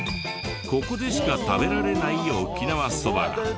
ここでしか食べられない沖縄そばが。